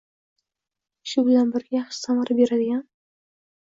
shu bilan birga yaxshi samara beradigan